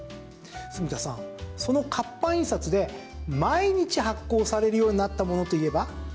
住田さん、その活版印刷で毎日発行されるようになったものといえば？